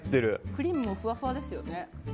プリンもふわふわですよね。